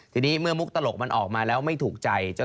ทีนี้เมื่อมุกตลกมันออกมาแล้วไม่ถูกใจ